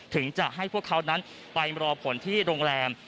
ถึงจะให้พวกเขานั้นไปรอผลที่โรงแรม